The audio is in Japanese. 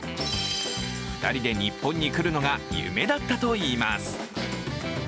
２人で日本に来るのが夢だったといいます。